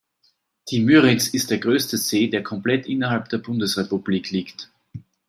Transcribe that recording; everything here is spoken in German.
Die Müritz ist der größte See, der komplett innerhalb der Bundesrepublik liegt.